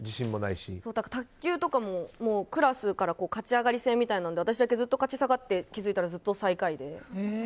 卓球とかもクラスから勝ち上がり戦みたいなので私だけずっと勝ち下がって気づいたらずっと最下位で。